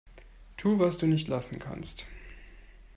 Tu, was du nicht lassen kannst.